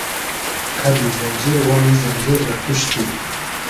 قئدی زئنجیر وامی زئنجیر رۂ کوشتی